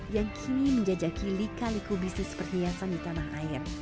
yang kini menjajaki lika liku bisnis perhiasan di tanah air